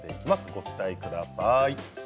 ご期待ください。